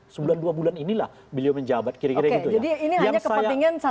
sebulan dua bulan inilah beliau menjabat kira kira gitu ya